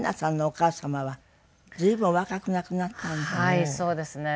はいそうですね。